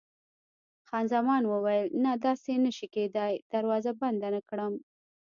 خان زمان وویل: نه، داسې نه شي کېدای، دروازه بنده نه کړم.